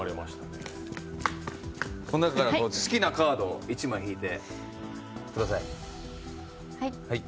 この中から好きなカードを１枚引いてください。